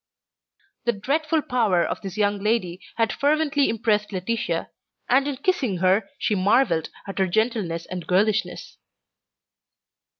The "dreadful power" of this young lady had fervently impressed Laetitia, and in kissing her she marvelled at her gentleness and girlishness.